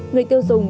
người tiêu dùng